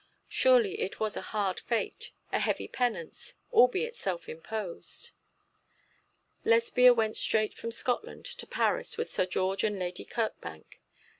Surely it was a hard fate, a heavy penance, albeit self imposed. Lesbia went straight from Scotland to Paris with Sir George and Lady Kirkbank.